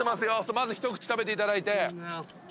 まず一口食べていただいて。